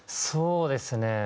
そうですね。